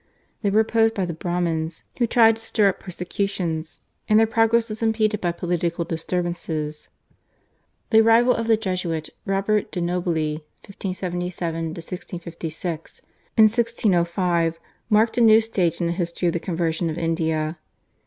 They were opposed by the Brahmins, who tried to stir up persecutions, and their progress was impeded by political disturbances. The arrival of the Jesuit, Robert de' Nobili (1577 1656), in 1605 marked a new stage in the history of the conversion of India.